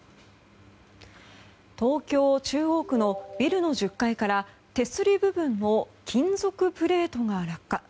東京・中央区のビルの１０階から手すり部分の金属プレートが落下。